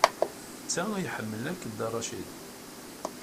D ta ay iḥemmel akk Dda Racid.